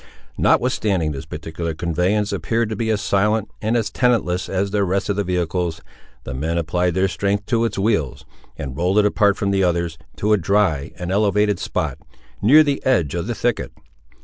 Notwithstanding this particular conveyance appeared to be as silent, and as tenantless as the rest of the vehicles, the men applied their strength to its wheels, and rolled it apart from the others, to a dry and elevated spot, near the edge of the thicket.